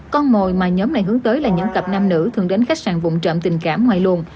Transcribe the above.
con mồi mà nhóm này hướng tới là những cặp nam nữ thường đến khách sạn vụn trộm tình cảm ngoài luồng